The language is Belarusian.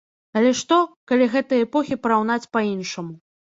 Але што, калі гэтыя эпохі параўнаць па-іншаму.